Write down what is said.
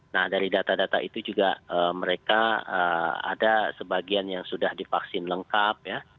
nah dari data data itu juga mereka ada sebagian yang sudah divaksin lengkap ya